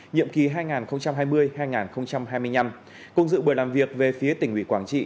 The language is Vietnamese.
nhiệm kỳ hai nghìn hai mươi hai nghìn hai mươi năm cùng dự buổi làm việc về phía tỉnh ủy quảng trị